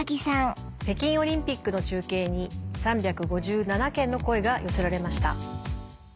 北京オリンピックの中継に３５７件の声が寄せられました。